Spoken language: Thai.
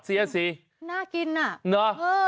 เสียสิน่ากินน่ะ